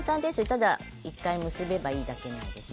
ただ１回結べばいいだけです。